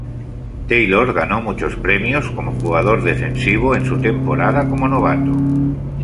Taylor ganó muchos premios como jugador defensivo en su temporada como novato.